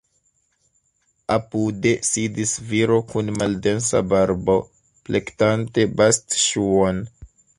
Apude sidis viro kun maldensa barbo, plektante bastŝuon.